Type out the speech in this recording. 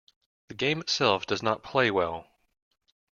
The game itself does not play well.